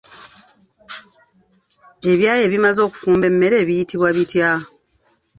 Ebyayi ebimaze okufumba emmere buyitibwa bitya?